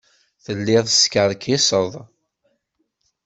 Telliḍ teskerkiseḍ.